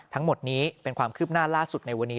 ทั้งหมดนี้เป็นความคืบหน้าล่าสุดในวันนี้